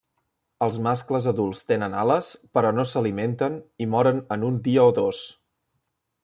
Els mascles adults tenen ales però no s'alimenten i moren en un dia o dos.